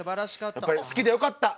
やっぱり好きでよかった！